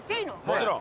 もちろん！